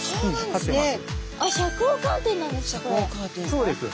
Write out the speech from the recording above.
あっ遮光カーテンなんですか？